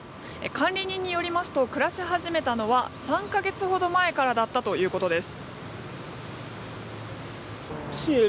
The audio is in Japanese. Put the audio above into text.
管理人によりますと暮らし始めたのは３か月ほど前からだったということです。